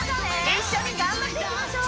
一緒に頑張っていきましょう